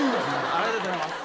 ありがとうございます。